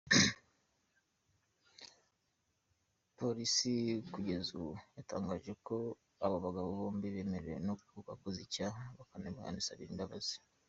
Polisi kugeza ubu yatangaje ko abo bagabo bombi bemera ko bakoze icyaha, bakanagisabira imbabazi.